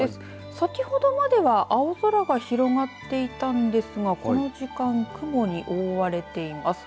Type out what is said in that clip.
先ほどまでは青空が広がっていたんですがこの時間、雲に覆われています。